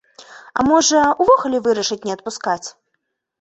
А можа, увогуле вырашыць не адпускаць?